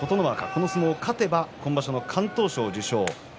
この相撲、勝てば今場所、敢闘賞受賞。